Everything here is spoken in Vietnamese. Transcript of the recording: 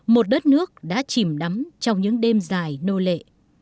một đất nước đã chìm nắm trong những đêm dài nô lệ